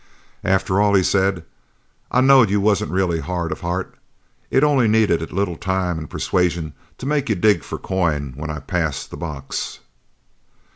"After all," he said. "I knowed you wasn't really hard of heart. It only needed a little time and persuasion to make you dig for coin when I pass the box."